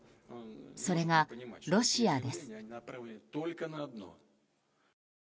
それがロシアです。